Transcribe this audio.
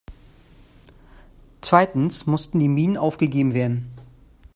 Zweitens mussten die Minen aufgegeben werden.